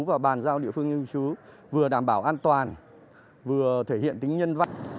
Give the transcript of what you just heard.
và bàn giao địa phương nơi cư trú vừa đảm bảo an toàn vừa thể hiện tính nhân văn